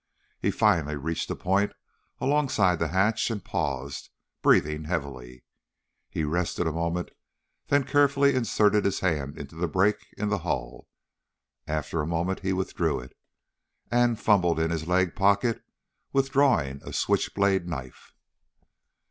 He finally reached a point alongside the hatch and paused, breathing heavily. He rested a moment, then carefully inserted his hand into the break in the hull. After a moment he withdrew it, and fumbled in his leg pocket withdrawing a switchblade knife.